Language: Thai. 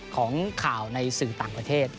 ของข่าวในสื่อต่างประเทศ